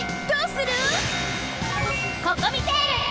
どうする！？